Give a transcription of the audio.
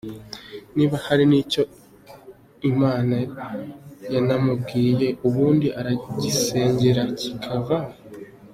Niba hari n’icyo Imana yanamubwiye ubundi uragisengera kikavaho.